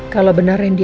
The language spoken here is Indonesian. kalau benar randy